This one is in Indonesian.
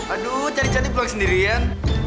aduh cantik cantik pulang sendirian